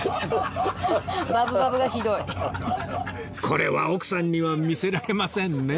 これは奥さんには見せられませんね